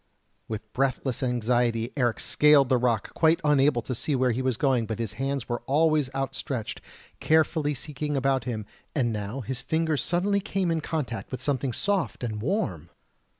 With breathless anxiety Eric scaled the rock, quite unable to see where he was going; but his hands were always outstretched, carefully seeking about him, and now his fingers suddenly came in contact with something soft and warm!